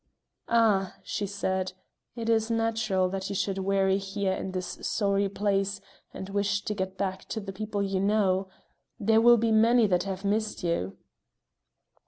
"Ah," she said, "it is natural that you should weary here in this sorry place and wish to get back to the people you know. There will be many that have missed you."